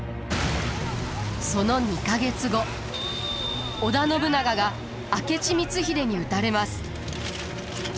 その２か月後織田信長が明智光秀に討たれます。